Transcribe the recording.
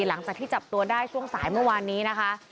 หลังจากที่จับตัวได้ช่วงสายเมื่อวานนี้นะคะ